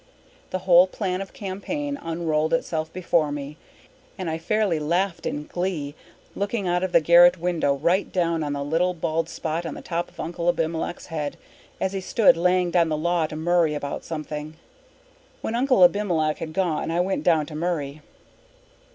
The whole plan of campaign unrolled itself before me, and I fairly laughed in glee, looking out of the garret window right down on the little bald spot on the top of Uncle Abimelech's head, as he stood laying down the law to Murray about something. When Uncle Abimelech had gone I went down to Murray.